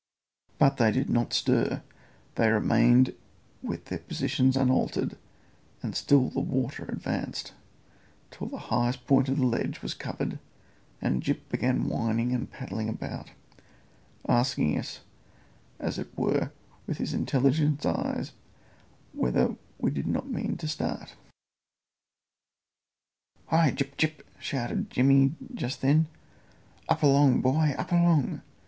But they did not stir; they remained with their positions unaltered, and still the water advanced, till the highest point of the ledge was covered, and Gyp began whining and paddling about, asking us, as it were, with his intelligent eyes, whether we did not mean to start. "Hi! Gyp, Gyp!" shouted Jimmy just then; "up along, boy; up along!"